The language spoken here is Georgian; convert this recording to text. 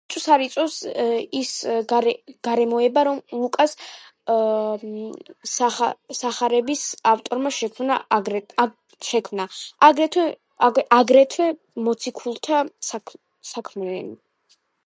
ეჭვს არ იწვევს ის გარემოება, რომ ლუკას სახარების ავტორმა შექმნა, აგრეთვე, მოციქულთა საქმენი.